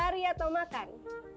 lari atau makan